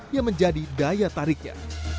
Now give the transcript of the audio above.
yang menjadi daya tariknya